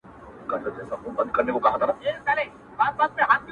تورې وي سي سرې سترگي ـ څومره دې ښايستې سترگي ـ